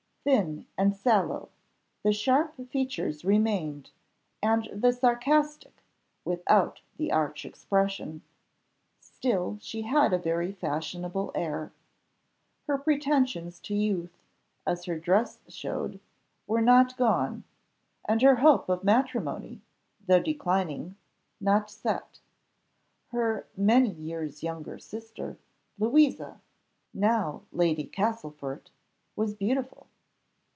Thin and sallow, the sharp features remained, and the sarcastic without the arch expression; still she had a very fashionable air. Her pretensions to youth, as her dress showed, were not gone; and her hope of matrimony, though declining, not set. Her many years younger sister, Louisa, now Lady Castlefort, was beautiful.